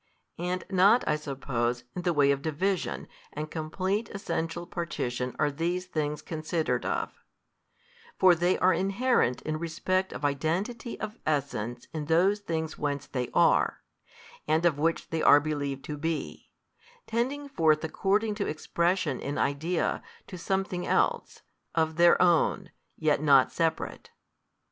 And not I suppose in the way of division and complete essential partition are these things considered of: for they are inherent in respect of identity of essence in those things whence they are, and of which they are believed to be, tending forth according to expression in idea to something else, of their own, yet not separate.